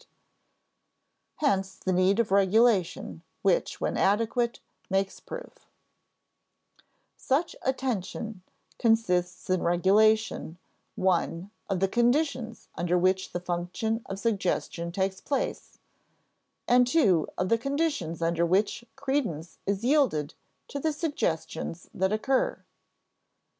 [Sidenote: Hence, the need of regulation which, when adequate, makes proof] Such attention consists in regulation (1) of the conditions under which the function of suggestion takes place, and (2) of the conditions under which credence is yielded to the suggestions that occur.